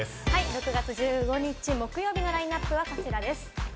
６月１５日木曜日のラインナップはこちらです。